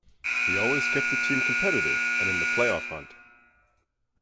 He always kept the team competitive and in the playoff hunt.